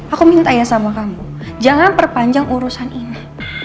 aku minta ya sama kamu jangan perpanjang urusan ini